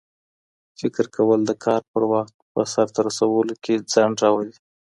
فکر کول د کار په وخت په سرته رسولو کې ځنډ راولي.